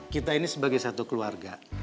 kita ini sebagai satu keluarga